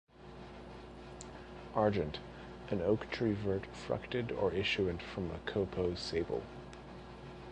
Argent, an Oak Tree Vert fructed Or issuant from a Coupeaux Sable.